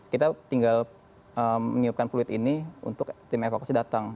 kita tinggal mengiupkan fluid ini untuk tim evakuasi datang